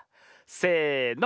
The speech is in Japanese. せの！